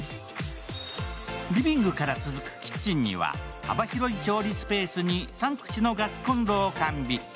リビングから続くキッチンには幅広い調理スペースに３口のガスこんろを完備。